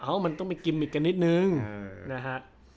มันต้องไปกิมมิกกันนิดนึงนะฮะ